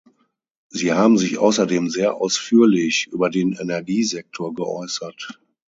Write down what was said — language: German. Sie haben sich außerdem sehr ausführlich über den Energiesektor geäußert.